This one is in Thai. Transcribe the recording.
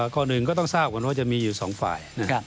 ข้อหนึ่งก็ต้องทราบก่อนว่าจะมีอยู่๒ฝ่าย